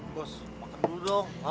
bos makan dulu dong